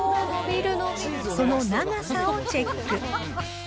その長さをチェック。